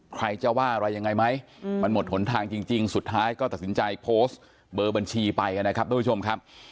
ใครจะว่าอะไรยังไงไหมมันหมดหนทางจริงสุดท้ายก็ตัดสินใจโพสต์เบอร์บัญชีไปนะครับทุกผู้ชมครับ